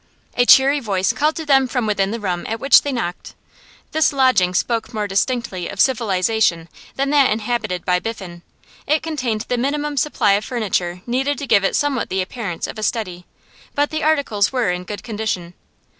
A cheery voice called to them from within the room at which they knocked. This lodging spoke more distinctly of civilisation than that inhabited by Biffen; it contained the minimum supply of furniture needed to give it somewhat the appearance of a study, but the articles were in good condition.